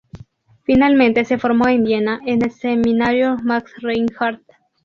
Finalmente se formó en Viena en el Seminario Max Reinhardt.